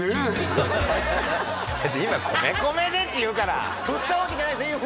だって今「米米で」って言うから振ったわけじゃないですね？